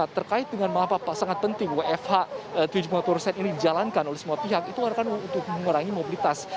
terkait dengan mengapa pak sangat penting wfh tujuh puluh lima persen ini dijalankan oleh semua pihak itu adalah untuk mengurangi mobilitas